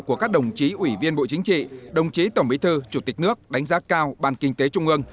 của các đồng chí ủy viên bộ chính trị đồng chí tổng bí thư chủ tịch nước đánh giá cao ban kinh tế trung ương